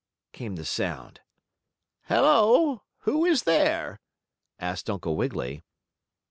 came the sound. "Hello! Who is there?" asked Uncle Wiggily.